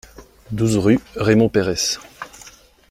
douze rue Raymond Peyrès